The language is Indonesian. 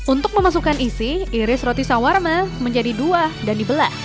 untuk memasukkan isi iris roti sawarna menjadi dua dan dibelah